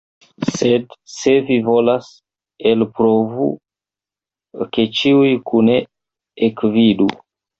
Sed se vi volas, elprovu, ke ĉiuj kune ekvidu.